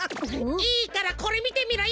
いいからこれみてみろよ！